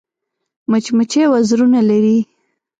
مچمچۍ وزرونه لري